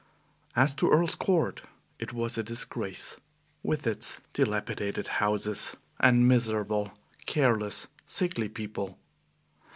As to Earl's Court, it was a disgrace, with its dilapidated houses and miserable, careless, sickly people.